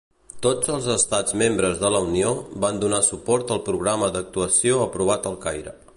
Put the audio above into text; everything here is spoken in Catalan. Tots els Estats Membres de la Unió van donar suport al Programa d'actuació aprovat al Caire.